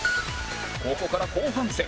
ここから後半戦